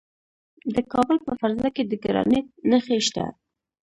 د کابل په فرزه کې د ګرانیټ نښې شته.